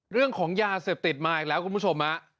เรื่องของยาเสพติดมาอีกแล้วคุณผู้ชมฮะ